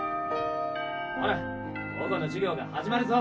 オラッ午後の授業が始まるぞ。